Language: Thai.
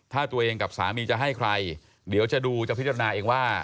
ถ้าตัวเองกับสามีจะให้ใครเดี๋ยวจะดูจะพิจารณาเองว่า